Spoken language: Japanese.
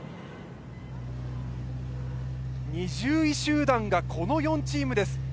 ２０位集団がこの４チームです。